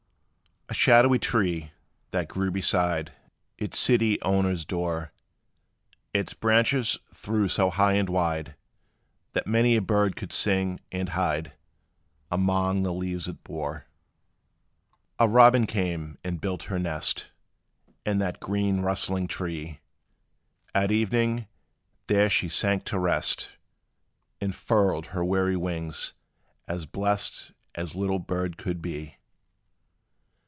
A shadowy tree, that grew beside Its city owner's door, Its branches threw so high and wide, That many a bird could sing, and hide Among the leaves it bore. A robin came, and built her nest In that green rustling tree. At evening, there she sank to rest And furled her weary wings, as blest As little bird could be.